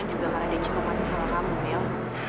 juga karena dia cinta banget sama kamu mil